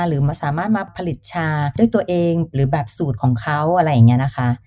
หรือสามารถมาผลิตชาด้วยตัวเองหรือแบบสูตรของเขาอะไรอย่างนี้นะคะ